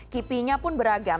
kipiknya pun beragam